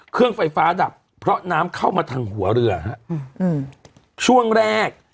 เครื่องไฟฟ้าดับเพราะน้ำเข้ามาทางหัวเรือฮะอืมช่วงแรก